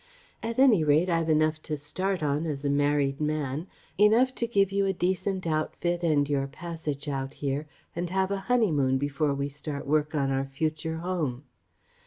At any rate I've enough to start on as a married man, enough to give you a decent outfit and your passage out here and have a honeymoon before we start work on our future home.